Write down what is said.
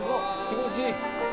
気持ちいい。